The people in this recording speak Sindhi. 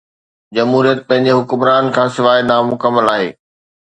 جمهوريت پنهنجي حڪمران کان سواءِ نامڪمل آهي